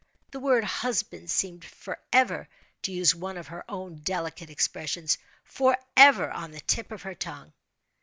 The word "husband" seemed forever—to use one of her own delicate expressions—forever "on the tip of her tongue."